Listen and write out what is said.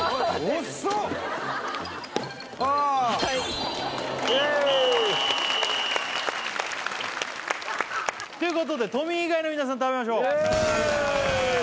遅っはい！ということでトミー以外の皆さん食べましょうイエーイ！